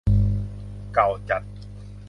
เก่าจัด